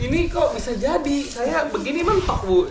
ini kok bisa jadi saya begini mentok bu